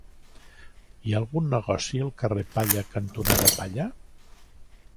Hi ha algun negoci al carrer Palla cantonada Palla?